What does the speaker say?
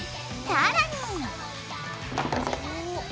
さらに！